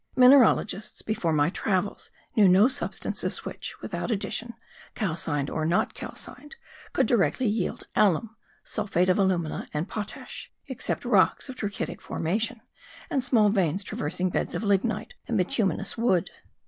Mineralogists, before my travels, knew no substances which, without addition, calcined or not calcined, could directly yield alum (sulphate of alumina and potash), except rocks of trachytic formation, and small veins traversing beds of lignite and bituminous wood.